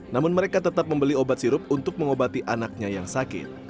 namun mereka tetap membeli obat sirup untuk mengobati anaknya yang sakit